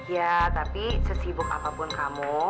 ya tapi sesibuk apapun kamu